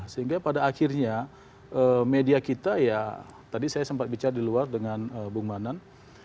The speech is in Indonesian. sehingga pada akhirnya media kita ya tadi saya sempat bicara di luar dengan bung manan